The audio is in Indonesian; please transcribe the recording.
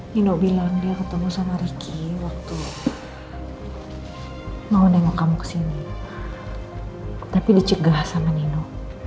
nino bilang dia ketemu sama ricky waktu mau nengok kamu ke sini tapi dicegah sama nino